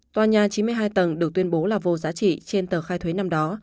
tòa nhà chín mươi hai tầng được tuyên bố là vô giá trị trên tờ khai thuế năm đó